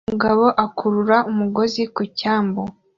Umugabo akurura umugozi ku cyambu